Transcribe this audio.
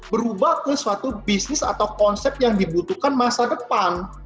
berubah ke suatu bisnis atau konsep yang dibutuhkan masa depan